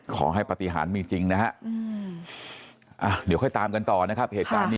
ขอให้ปฏิหารมีจริงนะเดี๋ยวค่อยตามกันต่อนะครับ